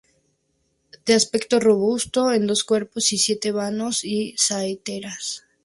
De aspecto robusto con dos cuerpos y siete vanos y saeteras.